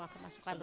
seperti itu atau